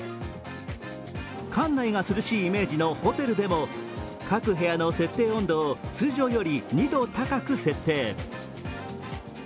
館内が涼しいイメージのホテルでも、各部屋の設定温度を通常より２度高く設定。